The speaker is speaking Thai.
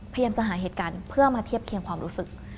พยายามจะหาเหตุการณ์เพื่อมาเทียบเคียงความรู้สึก